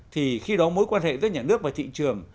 thì khi đó mối quan hệ giữa nhà nước và thị trường